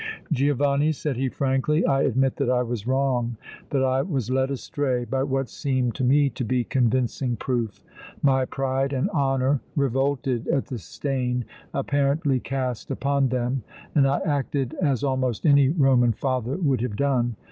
"Giovanni," said he, frankly, "I admit that I was wrong, that I was led astray by what seemed to me to be convincing proof. My pride and honor revolted at the stain apparently cast upon them and I acted as almost any Roman father would have done.